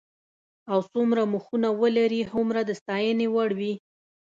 او څومره مخونه ولري هومره د ستاینې وړ وي.